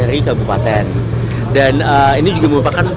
empat puluh tujuh ribu lumayan juga besar ya